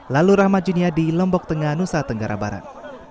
lalu rahmat dunia di lombok tengah nusa tenggara barat